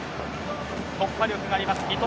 突破力があります三笘